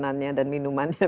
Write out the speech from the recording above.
makanannya dan minumannya